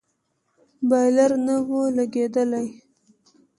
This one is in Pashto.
بايلر نه و لگېدلى.